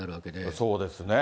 そうですね。